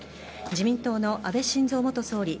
自民党の安倍晋三元総理